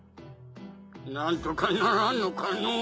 何とかならんのかのう。